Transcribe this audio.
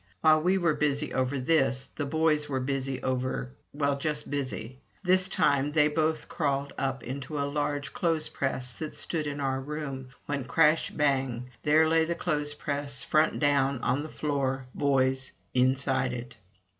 While we were busy over this, the boys were busy over just busy. This time they both crawled up into a large clothes press that stood in our room, when, crash! bang! there lay the clothes press, front down, on the floor, boys inside it.